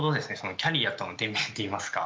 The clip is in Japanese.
キャリアとのてんびんっていいますか。